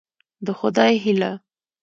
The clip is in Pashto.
د خدای هيله